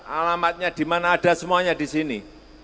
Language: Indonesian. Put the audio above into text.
alamatnya di mana ada semuanya di sini